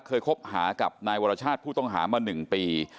คบหากับนายวรชาติผู้ต้องหามา๑ปี